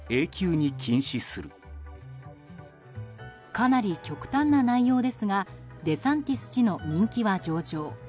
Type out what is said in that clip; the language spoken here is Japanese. かなり極端な内容ですがデサンティス氏の人気は上々。